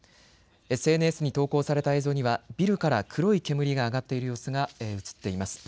ＳＮＳに投稿された映像ではビルから黒い煙が上がっている様子が映っています。